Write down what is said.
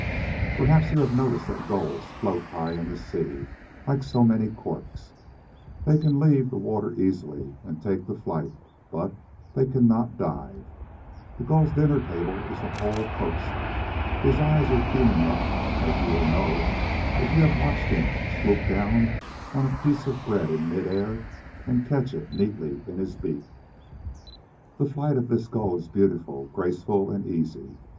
Perhaps you have noticed that Gulls float high in the sea, like so many corks. They can leave the water easily, and take to flight; but they cannot dive. The Gull's dinner table is the whole coast. His eyes are keen enough, as you will know if you have watched him swoop down on a piece of bread in mid air, and catch it neatly in his beak. The flight of this Gull is beautiful, graceful, and easy.